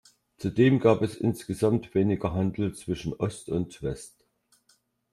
Zudem gab es insgesamt weniger Handel zwischen Ost und West.